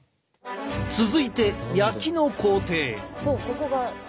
続いて焼きの工程。